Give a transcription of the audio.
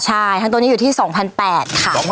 ใช่ทั้งตัวนี้อยู่ที่๒๘๐๐ค่ะ